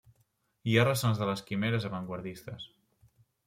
Hi ha ressons de les quimeres avantguardistes.